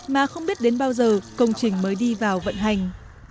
mà không biết đến bao giờ công trình mới đi vào vận hành